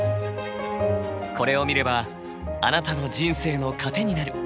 これを見ればあなたの人生の糧になる。